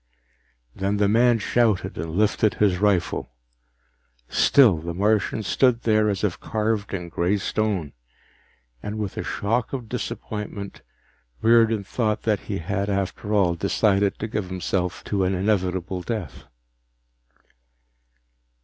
Then the man shouted and lifted his rifle. Still the Martian stood there as if carved in gray stone, and with a shock of disappointment Riordan thought that he had, after all, decided to give himself to an inevitable death.